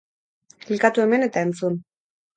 Klikatu hemen eta entzun!